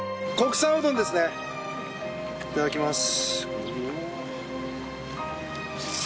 いただきます。